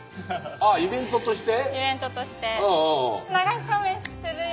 イベントとして。